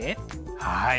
はい。